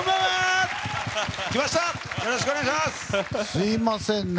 すみませんね。